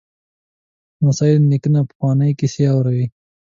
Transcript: لمسی له نیکه نه پخوانۍ کیسې اوري.